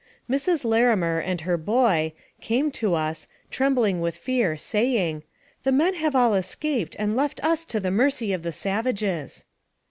Mrs. Larimer, with her boy, came to us, trembling with fear, saying, " The men have all escaped, and left us to the mercy of the savages."